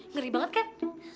ngeri banget kan